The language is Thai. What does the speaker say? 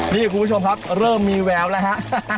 นี่คุณผู้ชมครับเริ่มมีแววแล้วฮะ